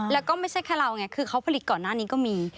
แล้วก็ไม่ใช่แค่เราไงคือเขาผลิตก่อนหน้านี้ก็มี